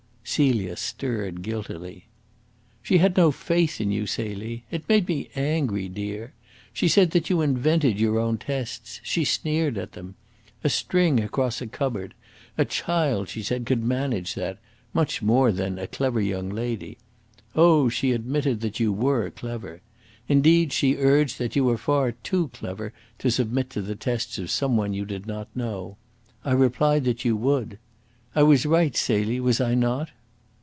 Celia stirred guiltily. "She had no faith in you, Celie. It made me angry, dear. She said that you invented your own tests. She sneered at them. A string across a cupboard! A child, she said, could manage that; much more, then, a clever young lady. Oh, she admitted that you were clever! Indeed, she urged that you were far too clever to submit to the tests of some one you did not know. I replied that you would. I was right, Celie, was I not?"